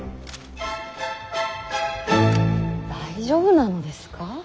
大丈夫なのですか？